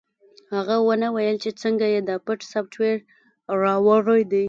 هغه ونه ویل چې څنګه یې دا پټ سافټویر راوړی دی